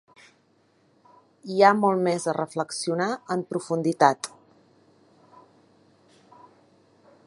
Hi ha molt més a reflexionar en profunditat.